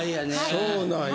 そうなんや。